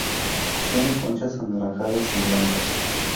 Tienen conchas anaranjadas y blancas.